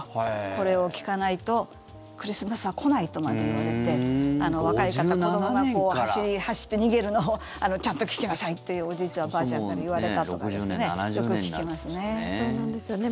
これを聞かないと、クリスマスは来ないとまで言われて子どもが走って逃げるのをちゃんと聞きなさいっておじいちゃん、おばあちゃんから言われたとかよく聞きますね。